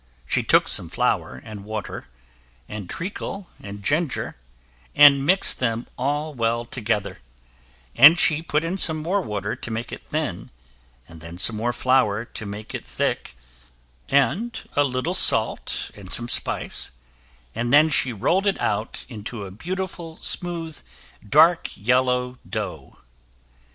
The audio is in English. She took some flour and water, and treacle and ginger, and mixed them all well together, and she put in some more water to make it thin, and then some more flour to make it thick, and a little salt and some spice, and then she rolled it out into a beautiful, smooth, dark yellow dough.